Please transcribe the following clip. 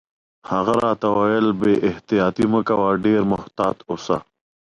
هغې راته وویل: بې احتیاطي مه کوه، ډېر محتاط اوسه.